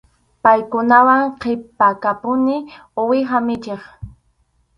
Paykunawan qhipakapuni uwiha michiq.